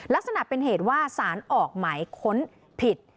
ลักษณะเป็นเหตุว่าสารออกหมายค้นผิด